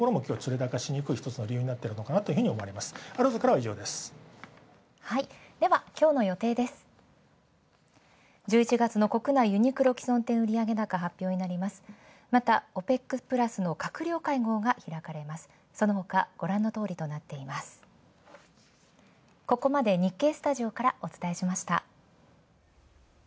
ここまで、日経スタジオからお伝えしました。